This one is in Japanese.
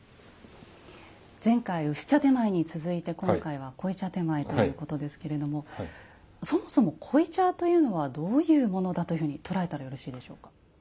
前回薄茶点前に続いて今回は濃茶点前ということですけれどもそもそも濃茶というのはどういうものだというふうに捉えたらよろしいでしょうか？